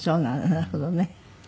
なるほどね。